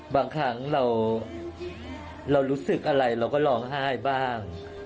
บางครั้งเรารู้สึกอะไรเราก็ร้องไห้บ้าง